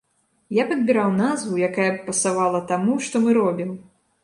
Я падбіраў назву, якая б пасавала таму, што мы робім.